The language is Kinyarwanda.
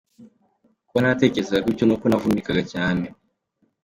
Kuba naratekerezaga gutyo nuko navunikaga cyane”.